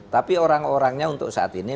tapi orang orangnya untuk saat ini